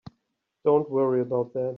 Don't worry about that.